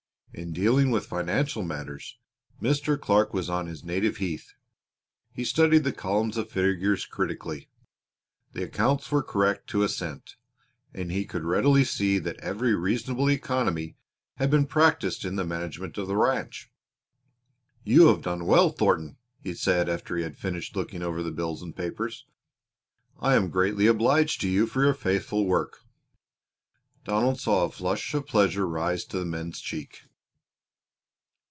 In dealing with financial matters Mr. Clark was on his native heath. He studied the columns of figures critically. The accounts were correct to a cent, and he could readily see that every reasonable economy had been practiced in the management of the ranch. "You have done well, Thornton," he said after he had finished looking over the bills and papers. "I am greatly obliged to you for your faithful work." Donald saw a flush of pleasure rise to the man's cheek.